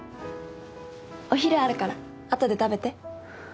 お昼あるから後で食べて。